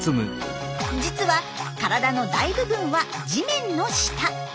実は体の大部分は地面の下。